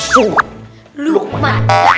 sabar duduk aja yang rapih